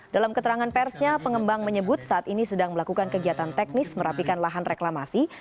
dalam keterangan persnya pengembang menyebut saat ini sedang melakukan kegiatan teknis merapikan lahan reklamasi